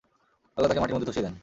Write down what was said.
আল্লাহ তাকে মাটির মধ্যে ধসিয়ে দেন।